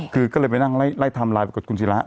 คือก็เลยไปนั่งไล่ไทม์ไลน์ปรากฏคุณศิระ